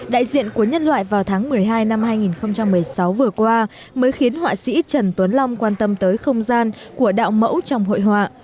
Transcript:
đại diện của nhân loại vào tháng một mươi hai năm hai nghìn một mươi sáu vừa qua mới khiến họa sĩ trần tuấn long quan tâm tới không gian của đạo mẫu trong hội họa